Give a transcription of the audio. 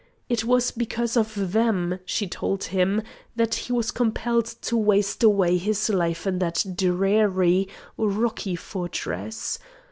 It was because of them, she told him, that he was compelled to waste away his life in that dreary rocky fortress.